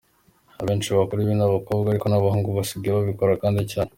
Abenshi bakora ibi ni abakobwa ariko n’abahungu basigaye babikora kandi cyane.